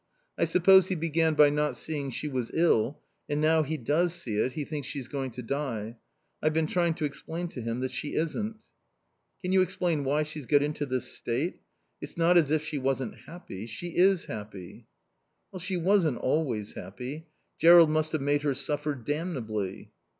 I suppose he began by not seeing she was ill, and now he does see it he thinks she's going to die. I've been trying to explain to him that she isn't." "Can you explain why she's got into this state? It's not as if she wasn't happy. She is happy." "She wasn't always happy. Jerrold must have made her suffer damnably."